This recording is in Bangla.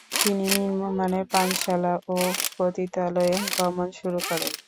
তিনি নিম্নমানের পানশালা ও পতিতালয়ে গমন শুরু করেন।